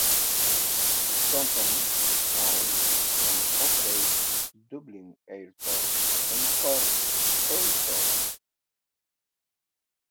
The company owns and operates Dublin Airport and Cork Airport.